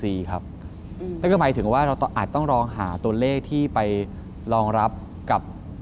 เนื่องจากหมายถึงว่าอาจต้องรองหาตัวเลขที่ไปรองรับกับ